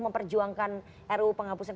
memperjuangkan ruu penghapusan